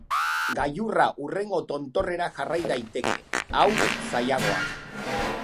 Gailurra hurrengo tontorrera jarrai daiteke, hau, zailagoa.